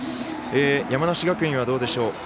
山梨学院はどうでしょう。